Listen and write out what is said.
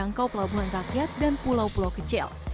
menjangkau pelabuhan rakyat dan pulau pulau kecil